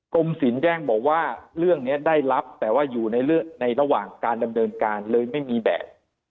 สินแจ้งบอกว่าเรื่องนี้ได้รับแต่ว่าอยู่ในระหว่างการดำเนินการเลยไม่มีแบบ